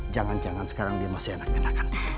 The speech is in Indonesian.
jangan jangan sekarang dia masih anak menakan